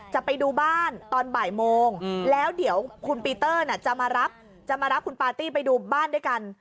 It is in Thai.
จะไปดูบ้านตอนบ่ายโมงแล้วเดี๋ยวคุณปีเตอร์จะมารับจะมารับคุณปาร์ตี้ไปดูบ้านด้วยกัน